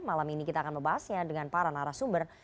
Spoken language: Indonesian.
malam ini kita akan membahasnya dengan para narasumber